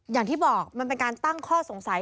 อย่างที่บอกมันเป็นการตั้งข้อสงสัย